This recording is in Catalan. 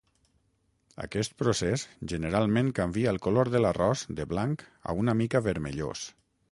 Aquest procés generalment canvia el color de l'arròs de blanc a una mica vermellós.